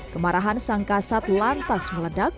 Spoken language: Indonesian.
kemarahan sang kasat lantas meledak